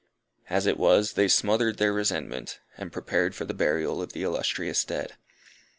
As it was, they smothered their resentment, and prepared for the burial of the illustrious dead.